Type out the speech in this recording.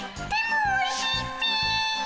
でもおいしいっピ。